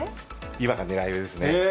今が狙い目ですね。